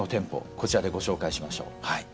こちらでご紹介しましょう。